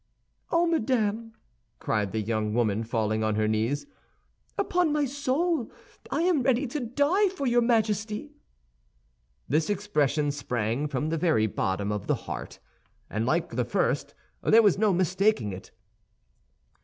"Oh, madame!" cried the young woman, falling on her knees; "upon my soul, I am ready to die for your Majesty!" This expression sprang from the very bottom of the heart, and, like the first, there was no mistaking it.